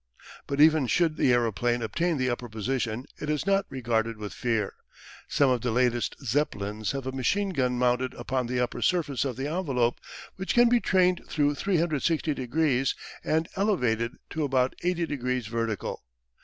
But even should the aeroplane obtain the upper position it is not regarded with fear. Some of the latest Zeppelins have a machine gun mounted upon the upper surface of the envelope, which can be trained through 360 degrees and elevated to about 80 degrees vertical.